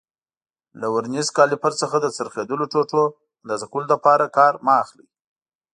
له ورنیز کالیپر څخه د څرخېدلو ټوټو اندازه کولو لپاره کار مه اخلئ.